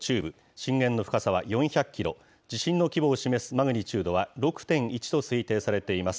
震源の深さは４００キロ、地震の規模を示すマグニチュードは６．１と推定されています。